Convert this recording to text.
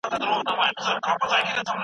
د هویت د خوندي کولو لپاره مطالعه وکړئ.